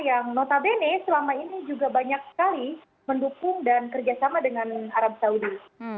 yang notabene selama ini juga banyak sekali mendukung dan kerjasama dengan arab saudi